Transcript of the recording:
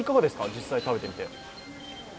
実際、食べてみて。